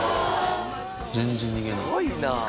全然逃げない。